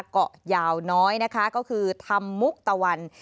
เกาะยาวน้อยนะคะก็คือธรรมมุกตะวัน